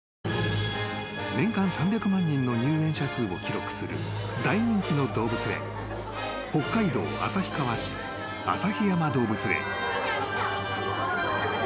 ［年間３００万人の入園者数を記録する大人気の動物園北海道旭川市旭山動物園］